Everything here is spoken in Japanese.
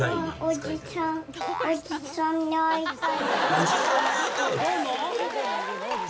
おじさんに会いたいの？